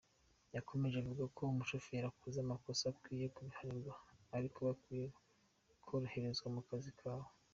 Yakomeje avuga ko umushoferi ukoze amakosa akwiye kubihanirwa, ariko bakwiye koroherezwa mu kazi kabo.